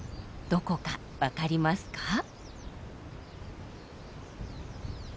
どこか分かりますか？